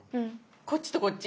こっちとこっち。